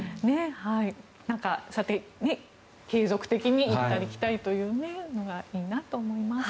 なんか、そうやって継続的に行ったり来たりというのがいいなと思います。